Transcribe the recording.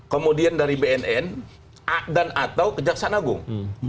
kemudian dari bnn dan atau kejaksaan agung